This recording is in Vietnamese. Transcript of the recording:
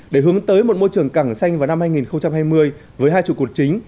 để hướng tới một môi trường cảng xanh vào năm hai nghìn hai mươi với hai chủ cuộc chính